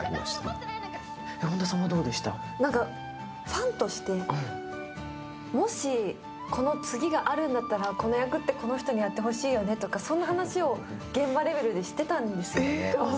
ファンとして、もしこの次があるんだったらこの役って、この人にやってほしいよねっていう話を現場レベルでしていたんですよ。